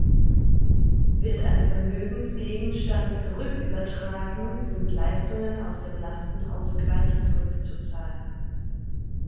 Wird ein Vermögensgegenstand zurückübertragen, sind Leistungen aus dem Lastenausgleich zurückzuzahlen.